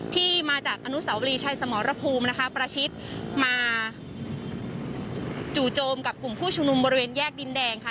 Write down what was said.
ที่มาจากอนุสาวรีชัยสมรภูมินะคะประชิดมาจู่โจมกับกลุ่มผู้ชุมนุมบริเวณแยกดินแดงค่ะ